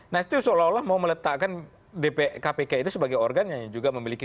nah itu seolah olah mau meletakkan kpk itu sebagai organ yang juga memiliki